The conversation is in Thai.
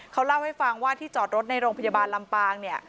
เขาเล่าให้ฟังว่าที่จอดรถในโรงพยาบาลลำปางเนี่ย